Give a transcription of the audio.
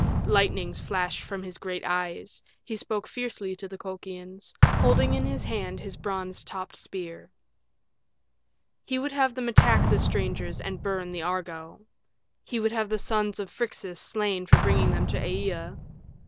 Lightnings flashed from his great eyes; he spoke fiercely to the Colchians, holding in his hand his bronze topped spear. He would have them attack the strangers and burn the Argo. He would have the sons of Phrixus slain for bringing them to Aea.